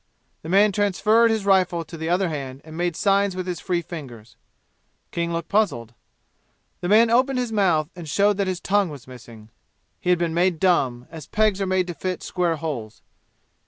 The man transferred his rifle to the other hand and made signs with his free fingers. King looked puzzled. The man opened his mouth and showed that his tongue was missing. He had been made dumb, as pegs are made to fit square holes.